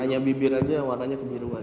hanya bibir aja warnanya kebiruan